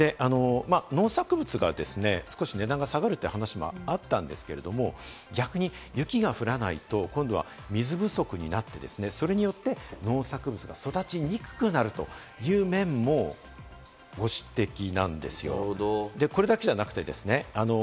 農作物が少し値段が下がるという話もあったんですけれども、逆に雪が降らないと、今度は水不足になって、それによって農作物が育ちにくくなるという面も、ご指摘なんですよ。